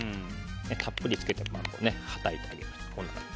たっぷりつけて、はたいてあげて。